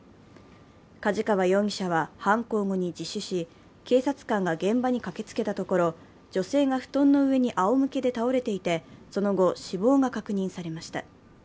梶川容疑者は犯行後に自首し警察官が現場に駆けつけたところ女性が布団の上にあおむけで倒れていてその後、死亡が確認されました。